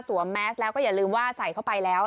โดนโรงคนไทยใส่หน้ากากอนามัยป้องกันโควิด๑๙กันอีกแล้วค่ะ